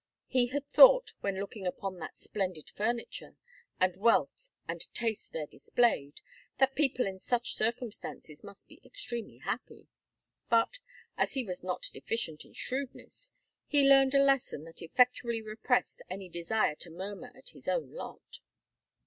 He had thought, when looking upon that splendid furniture, and wealth and taste there displayed, that people in such circumstances must be extremely happy; but, as he was not deficient in shrewdness, he learned a lesson that effectually repressed any desire to murmur at his own lot.